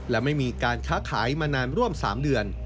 และไม่มีการค้าขายมานานร่วม๓เดือน